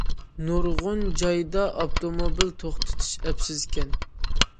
نۇرغۇن جايدا ئاپتوموبىل توختىتىش ئەپسىز ئىكەن.